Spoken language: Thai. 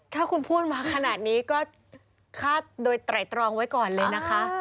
ถ้าคุณพูดมาขนาดนี้ก็ฆ่าโดยไตรตรองไว้ก่อนเลยนะคะ